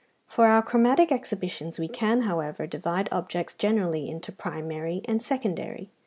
For our chromatic exhibitions we can, however, divide objects generally into primary and secondary.